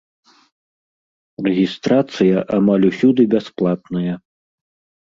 Рэгістрацыя амаль усюды бясплатная.